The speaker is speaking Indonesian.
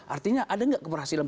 artinya ada nggak keberhasilan